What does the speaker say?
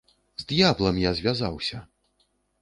З д'яблам я звязаўся!